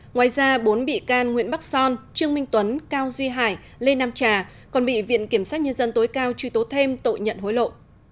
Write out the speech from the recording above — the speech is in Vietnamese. ngoài ra bốn bị can nguyễn bắc son trương minh tuấn cao duy hải lê nam trà còn bị viện kiểm sát nhân dân tối cao truy tố thêm tội nhận hối lộ